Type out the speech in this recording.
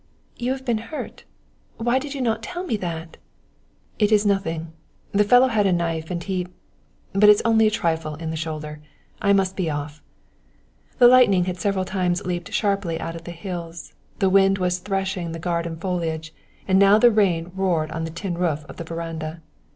"You have been hurt why did you not tell me that?" "It is nothing the fellow had a knife, and he but it's only a trifle in the shoulder. I must be off!" The lightning had several times leaped sharply out of the hills; the wind was threshing the garden foliage, and now the rain roared on the tin roof of the veranda.